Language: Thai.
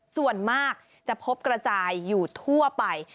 ส่วนมากจะพบกระจายอยู่ทั่วไป